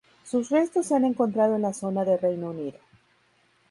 Sus restos se han encontrado en la zona de Reino Unido.